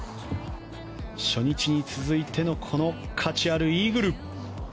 初日に続いてのこの価値あるイーグル。